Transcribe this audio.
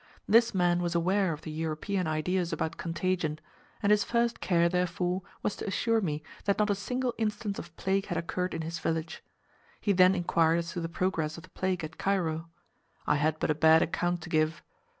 This man was aware of the European ideas about contagion, and his first care therefore was to assure me that not a single instance of plague had occurred in his village. He then inquired as to the progress of the plague at Cairo. I had but a bad account to give.